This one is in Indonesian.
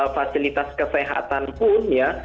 fasilitas kesehatan pun ya